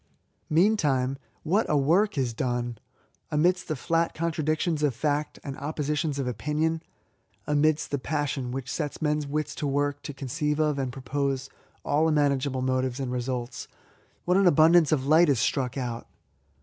Meantime, what a work is done ! Amidst the flat contradictions of fact, and oppositions of opinion, — amidst the passion v^hich sets men's wits to work to conceive of and propose all imaginable motives and resxdts, what an abundance of light is struck out